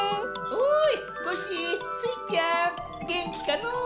おいコッシースイちゃんげんきかのう？